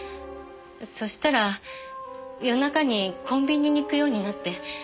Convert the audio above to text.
そしたら夜中にコンビニに行くようになって。